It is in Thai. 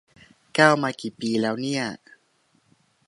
ก้าวมากี่ปีแล้วเนี่ย